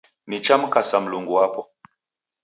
Nichamkasa Mulungu wapo